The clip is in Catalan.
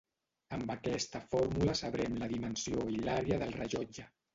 Amb aquesta fórmula sabrem la dimensió i àrea del rellotge.